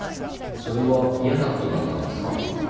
それは嫌なことだったんですか？